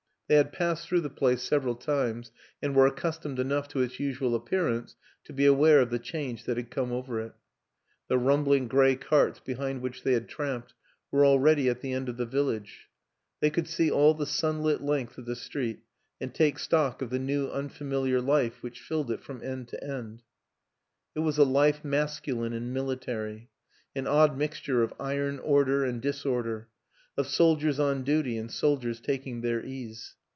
They had passed through the place several times and were accustomed enough to its usual appear ance to be aware of the change that had come over it. The rumbling gray carts behind which they had tramped were already at the end of the vil lage; they could see all the sunlit length of the street and take stock of the new unfamiliar life which filled it from end to end. It was a life masculine and military; an odd mixture of iron order and disorder; of soldiers on duty and soldiers taking their ease.